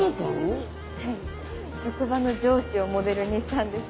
職場の上司をモデルにしたんです。